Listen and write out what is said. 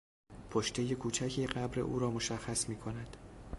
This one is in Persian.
پشتهی کوچکی قبر اورا مشخص میکند.